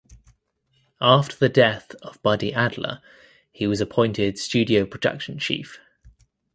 After the death of Buddy Adler he was appointed studio production chief.